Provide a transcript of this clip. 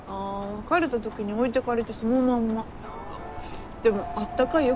別れたときに置いてかれてそのまんまでも温かいよ